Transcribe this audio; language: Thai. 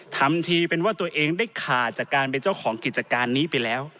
ทำทีเป็นว่าตัวเองได้ขาดจากการเป็นเจ้าของกิจการนี้ไปแล้ว